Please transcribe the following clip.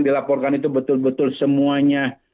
dilaporkan itu betul betul semuanya